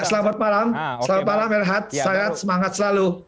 ya selamat malam selamat malam erhat saya semangat selalu